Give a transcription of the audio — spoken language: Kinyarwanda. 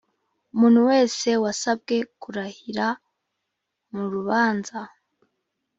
umuntu wese wasabwe kurahira mu rubanza